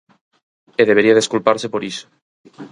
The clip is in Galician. E debería desculparse por iso.